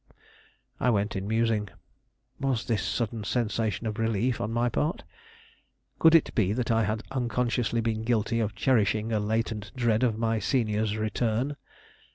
I went in musing. Why this sudden sensation of relief on my part? Could it be that I had unconsciously been guilty of cherishing a latent dread of my senior's return?